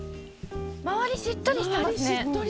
周りしっとりしてますね。